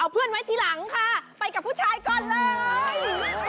เพื่อนไว้ทีหลังค่ะไปกับผู้ชายก่อนเลย